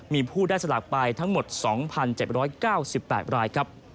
มีผู้ได้สลากไปทั้งหมด๒๗๙๘รายครับ